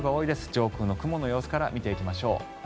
上空の雲の様子から見ていきましょう。